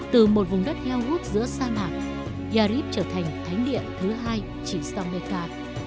từ một vùng đất heo hút giữa sa mạc yarib trở thành thánh địa thứ hai chỉ sau meca